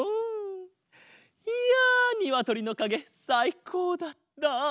いやにわとりのかげさいこうだった！